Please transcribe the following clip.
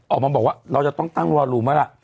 ออกมาบอกว่าเราจะต้องตั้งวอลูมแล้วล่ะ